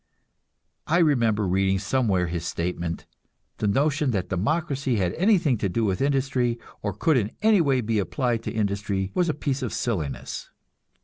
I remember reading somewhere his statement the notion that democracy had anything to do with industry, or could in any way be applied to industry, was a piece of silliness.